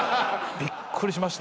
びっくりしました。